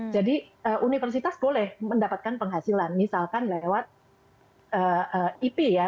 jadi universitas boleh mendapatkan penghasilan misalkan lewat ip ya